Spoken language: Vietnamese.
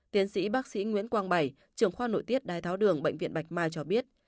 tiến sĩ bác sĩ nguyễn quang bảy trưởng khoa nội tiết đai tháo đường bệnh viện bạch mai cho biết